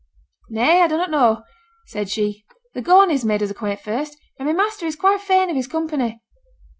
'Nay, I dunnot know,' said she; 'the Corneys made us acquaint first, and my master is quite fain of his company.'